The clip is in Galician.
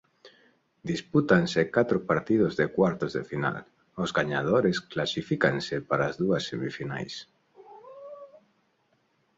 Dispútanse catro partidos de cuartos de final; os gañadores clasifícanse para as dúas semifinais.